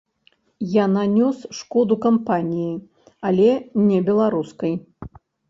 Я нанёс шкоду кампаніі, але не беларускай.